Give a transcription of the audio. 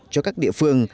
cho các địa phương